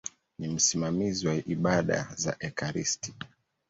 Ni msimamizi wa ibada za ekaristi.